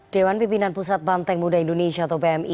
dewan pimpinan pusat banteng muda indonesia atau pmi